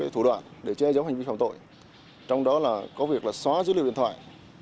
thủ đoạn để che giấu hành vi phạm tội trong đó là có việc là xóa dữ liệu điện thoại